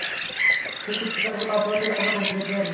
তিনি শিক্ষকতা অব্যাহত রাখার উপদেশ দেন।